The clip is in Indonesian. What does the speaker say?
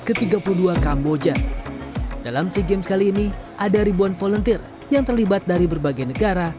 ke tiga puluh dua kamboja dalam sea games kali ini ada ribuan volunteer yang terlibat dari berbagai negara